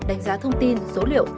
đánh giá thông tin số liệu